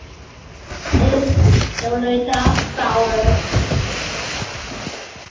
Edith Henrietta Fowler.